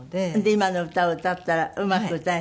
今の歌を歌ったらうまく歌え。